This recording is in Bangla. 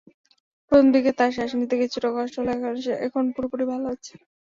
প্রথম দিকে তার শ্বাস নিতে কিছুটা কষ্ট হলেও এখন পুরোপুরি ভালো আছে।